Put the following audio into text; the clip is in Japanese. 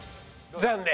残念。